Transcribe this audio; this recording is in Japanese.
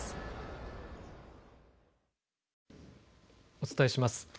お伝えします。